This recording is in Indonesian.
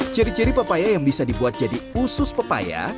ciri ciri pepaya yang bisa dibuat jadi usus pepaya